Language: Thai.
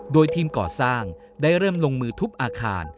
โดยทีมก่อสร้างได้เริ่มลงมือทุบอาคาร